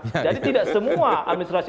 jadi tidak semua administrasi